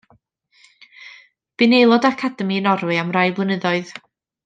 Bu'n aelod o Academi Norwy am rai blynyddoedd.